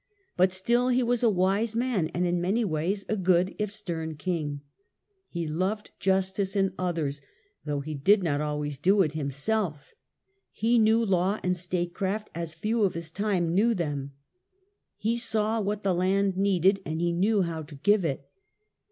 But still he was a wise man, and in many ways a good if stem king. He Henry of loved justice in others, though he did not ^"^Jo" always do it himself. He knew law and statecraft as few of his time knew them. He saw what the land needed, and he knew how to give it.